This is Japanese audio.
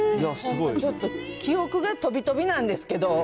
ちょっと記憶が飛び飛びなんですけど。